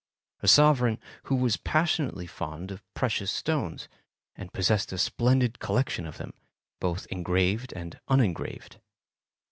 a sovereign who was passionately fond of precious stones, and possessed a splendid collection of them, both engraved and unengraved.